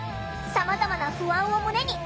さまざまな不安を胸に入店。